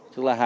tức là hàng